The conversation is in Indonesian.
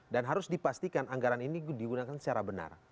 dan harus dipastikan anggaran ini digunakan secara benar